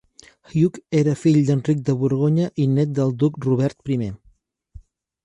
Hugh era fill d'Enric de Borgonya i nét del duc Robert primer.